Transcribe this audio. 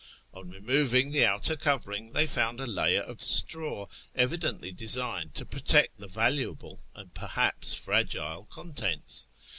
On removino the outer coverino they found a layer of straw, evidently designed to protect the valuable and perhaps fragile contents.